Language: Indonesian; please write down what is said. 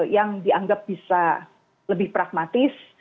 yang dianggap bisa lebih pragmatis